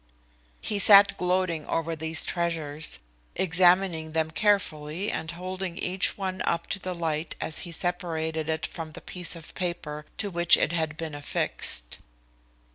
He sat gloating over these treasures, examining them carefully and holding each one up to the light as he separated it from the piece of paper to which it had been affixed.